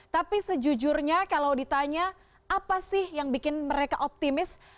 tapi sejujurnya kalau ditanya apa sih yang bikin mereka optimis